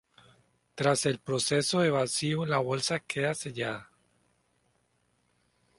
Tras el proceso de vacío la bolsa queda sellada.